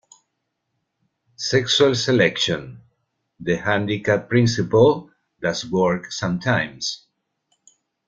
Sexual selection: The handicap principle does work sometimes.